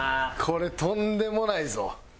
これとんでもないぞ。